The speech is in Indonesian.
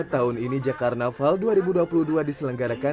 tahun ini jakarta naval dua ribu dua puluh dua diselenggarakan